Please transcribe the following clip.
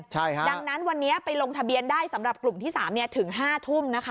ใช่ค่ะดังนั้นวันนี้ไปลงทะเบียนได้สำหรับกลุ่มที่๓ถึง๕ทุ่มนะคะ